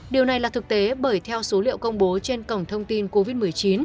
điều này là thực tế bởi theo số liệu công bố trên cổng thông tin covid một mươi chín